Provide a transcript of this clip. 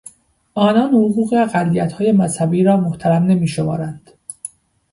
آنان حقوق اقلیتهای مذهبی را محترم نمی شمارند.